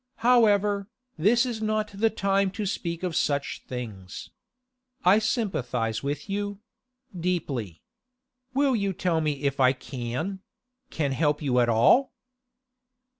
However, this is not the time to speak of such things. I sympathise with you—deeply. Will you tell me if I can—can help you at all?